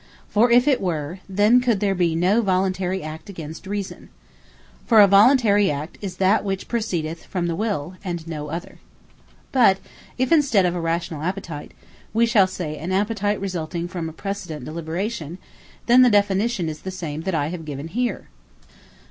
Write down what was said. For if it were, then could there be no Voluntary Act against Reason. For a Voluntary Act is that, which proceedeth from the Will, and no other. But if in stead of a Rationall Appetite, we shall say an Appetite resulting from a precedent Deliberation, then the Definition is the same that I have given here.